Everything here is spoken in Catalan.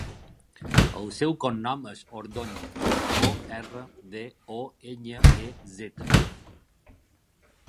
El seu cognom és Ordoñez: o, erra, de, o, enya, e, zeta.